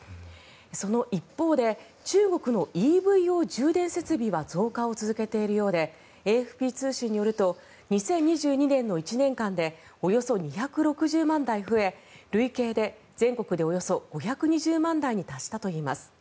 その一方で中国のＥＶ用充電設備は増加を続けているようでＡＦＰ通信によると２０２２年の１年間でおよそ２６０万台増え累計で全国でおよそ５２０万台に達したといいます。